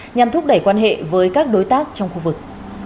nhằm thúc đẩy quan hệ với các đối tác trong khu vực